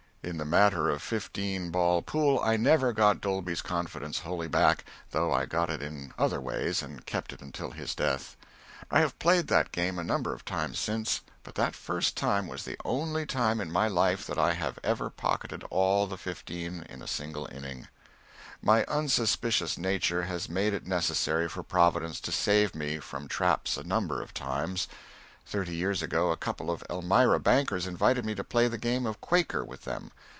In the matter of fifteen ball pool I never got Dolby's confidence wholly back, though I got it in other ways, and kept it until his death. I have played that game a number of times since, but that first time was the only time in my life that I have ever pocketed all the fifteen in a single inning. [Sidenote: (1876.)] My unsuspicious nature has made it necessary for Providence to save me from traps a number of times. Thirty years ago, a couple of Elmira bankers invited me to play the game of "Quaker" with them.